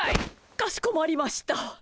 かしこまりました。